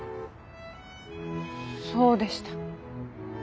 そうでした。